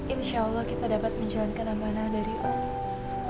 insya allah kita dapat menjalankan amanan dari om